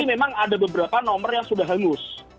memang ada beberapa nomor yang sudah hangus